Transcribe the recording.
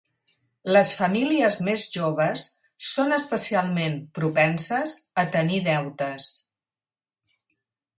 Les famílies més joves són especialment propenses a tenir deutes.